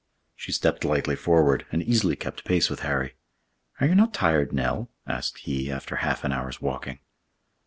She stepped lightly forward, and easily kept pace with Harry. "Are you not tired, Nell?" asked he, after half an hour's walking.